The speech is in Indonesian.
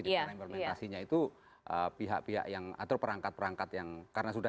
di mana implementasinya itu pihak pihak yang atur perangkat perangkat yang karena sudah